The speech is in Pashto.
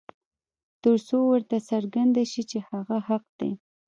تر څو ورته څرګنده شي چې هغه حق دى.